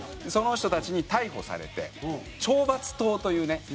その人たちに逮捕されて懲罰棟というね